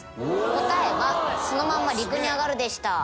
答えは「そのまま陸に上がる」でした。